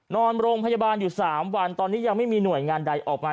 นอนโรงพยาบาลอยู่๓วันตอนนี้ยังไม่มีหน่วยงานใดออกมา